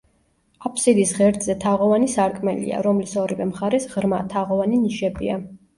აფსიდის ღერძზე თაღოვანი სარკმელია, რომლის ორივე მხარეს ღრმა, თაღოვანი ნიშებია.